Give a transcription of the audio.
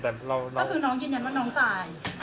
แต่ก็คือน้องยืนยันว่าน้องจ่าย